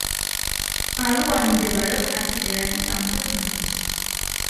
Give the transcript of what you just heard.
ბალუანი მდებარეობს არქიპელაგის სამხრეთ ნაწილში.